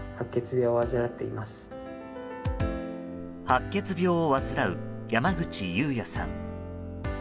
白血病を患う山口雄也さん。